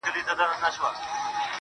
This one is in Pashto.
یا عامه ځای کي